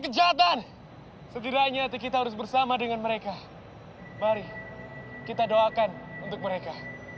kejahatan setidaknya kita harus bersama dengan mereka mari kita doakan untuk mereka